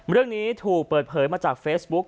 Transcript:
เรื่องนี้ถูกเปิดเผยมาจากเฟซบุ๊ค